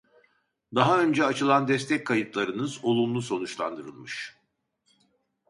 Daha önce açılan destek kayıtlarınız olumlu sonuçlandırılmış